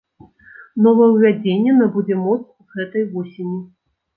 Новаўвядзенне набудзе моц з гэтай восені.